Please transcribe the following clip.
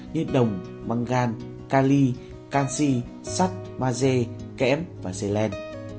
như đồng măng gan cali canxi sắt maze kém và xê len